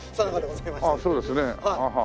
ああそうですねえ。